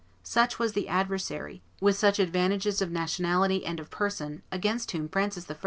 Such was the adversary, with such advantages of nationality and of person, against whom Francis I.